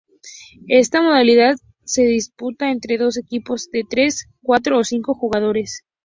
Esta modalidad se disputa entre dos equipos de tres, cuatro o cinco jugadores.